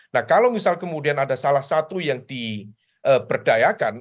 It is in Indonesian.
nah kalau misal kemudian ada salah satu yang diberdayakan